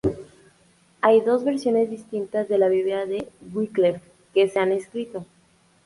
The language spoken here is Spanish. Hay dos versiones distintas de la Biblia de Wycliffe que se han escrito.